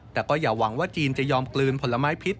แต่ก็อย่าหวังว่าจีนจะยอมกลืนผลไม้พิษ